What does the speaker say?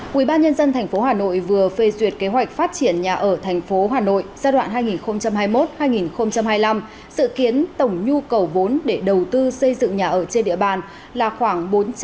quỹ ban nhân dân tp hà nội vừa phê duyệt kế hoạch phát triển nhà ở tp hà nội giai đoạn hai nghìn hai mươi một hai nghìn hai mươi năm dự kiến tổng nhu cầu vốn để đầu tư xây dựng nhà ở trên địa bàn là khoảng bốn trăm ba mươi bảy tỷ đồng